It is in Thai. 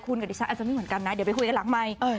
คุณกับดิฉันอาจจะไม่เหมือนกันนะเดี๋ยวไปคุยกันหลังใหม่